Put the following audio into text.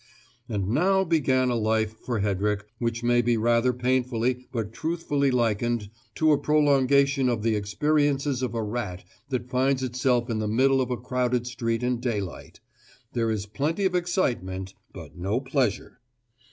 And now began a life for Hedrick which may be rather painfully but truthfully likened to a prolongation of the experiences of a rat that finds itself in the middle of a crowded street in daylight: there is plenty of excitement but no pleasure.